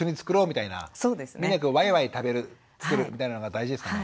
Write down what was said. みんなでわいわい食べる作るみたいなのが大事ですかね？